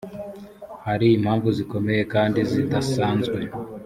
hari impamvu zikomeye kandi zidasanzwe.